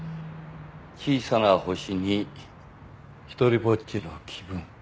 小さな星に一人ぼっちの気分